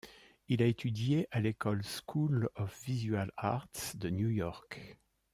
Il a étudié à l'école School of Visual Arts de New York.